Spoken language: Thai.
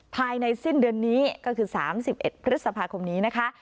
ภายในสิ้นเดือนนี้ก็คือ๓๑พฤษภาคมนี้นะคะ